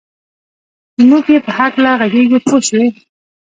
چې موږ یې په هکله ږغېږو پوه شوې!.